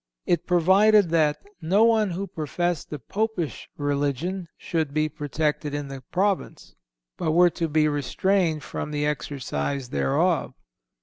It provided that none who professed the Popish religion should be protected in the Province, but were to be restrained from the exercise thereof.